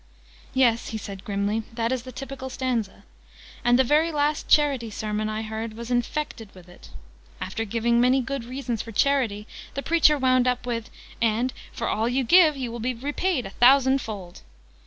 "Yes," he said grimly: "that is the typical stanza. And the very last charity sermon I heard was infected with it. After giving many good reasons for charity, the preacher wound up with 'and, for all you give, you will be repaid a thousandfold!'